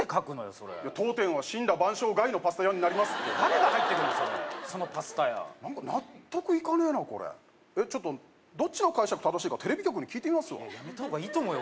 それ「当店は森羅万象外の」「パスタ屋になります」って誰が入って来んのそのパスタ屋何か納得いかねえなこれちょっとどっちの解釈正しいかテレビ局に聞いてみますわやめた方がいいと思うよ